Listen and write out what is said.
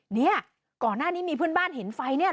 เนี่ยก่อนหน้านี้มีเพื่อนบ้านเห็นไฟเนี่ย